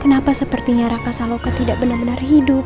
kenapa sepertinya raka saloka tidak benar benar hidup